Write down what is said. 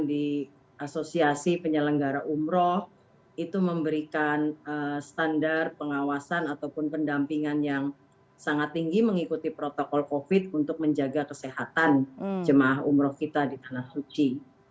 di asosiasi penyelenggara umroh itu memberikan standar pengawasan ataupun pendampingan yang sangat tinggi mengikuti protokol covid untuk menjaga kesehatan jemaah umroh kita di tanah suci